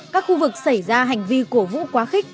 các khu vực xảy ra hành vi cổ vũ quá khích